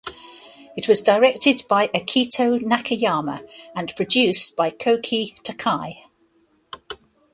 It was directed by Akito Nakayama and produced by Koki Takei.